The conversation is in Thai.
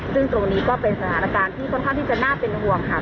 ซึ่งตรงนี้ก็เป็นสถานการณ์ที่ค่อนข้างที่จะน่าเป็นห่วงค่ะ